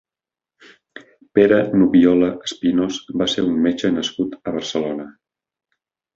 Pere Nubiola Espinos va ser un metge nascut a Barcelona.